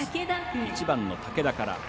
１番の武田から。